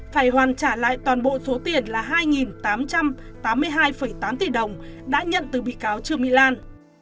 phải hoàn trả lại toàn bộ số tiền là hai tám trăm tám mươi hai tám tỷ đồng đã nhận từ bị cáo trương mỹ lan